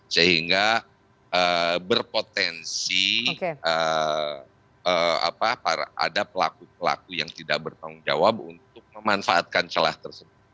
sehingga berpotensi ada pelaku pelaku yang tidak bertanggung jawab untuk memanfaatkan celah tersebut